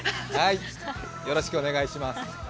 よろしくお願いします。